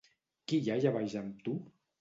Qui hi ha allà baix amb tu?